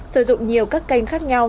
sử dụng nhiều các kênh khác nhau